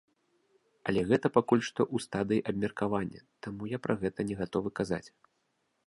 Але гэта пакуль што ў стадыі абмеркавання, таму я пра гэта не гатовы казаць.